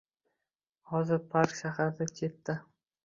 Hozir park shahardan chetda